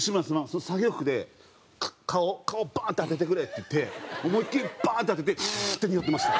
その作業服で顔バン！って当ててくれ」って言って思いっきりバン！って当ててスーッ！ってにおってました。